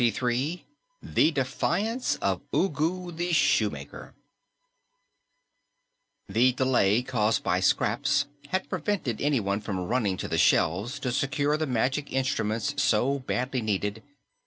CHAPTER 23 THE DEFIANCE OF UGU THE SHOEMAKER The delay caused by Scraps had prevented anyone from running to the shelves to secure the magic instruments so badly needed.